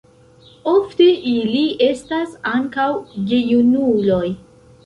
Ofte ili estas ankaŭ gejunuloj.